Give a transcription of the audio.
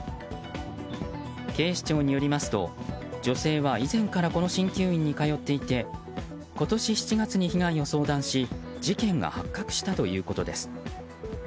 警視庁によりますと女性は以前からこの鍼灸院に通っていて今年７月に被害を相談し事件が発覚したということです。